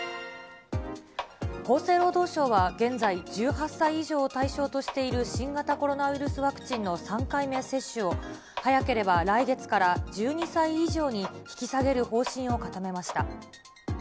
厚生労働省は、現在、１８歳以上を対象としている新型コロナウイルスワクチンの３回目接種を、早ければ来月から１２歳以上に引き下げる方針を固めました。